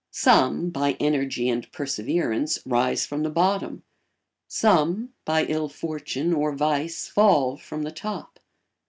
Some, by energy and perseverance, rise from the bottom; some, by ill fortune or vice, fall from the top.